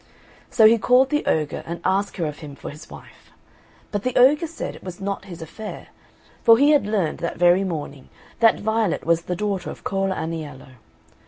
So he called the ogre and asked her of him for his wife; but the ogre said it was not his affair, for he had learned that very morning that Violet was the daughter of Cola Aniello.